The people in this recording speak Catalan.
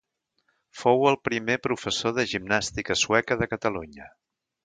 Fou el primer professor de gimnàstica sueca de Catalunya.